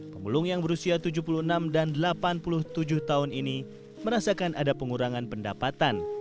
pemulung yang berusia tujuh puluh enam dan delapan puluh tujuh tahun ini merasakan ada pengurangan pendapatan